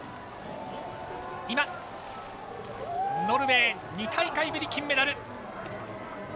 ノルウェー、２大会ぶり金メダル。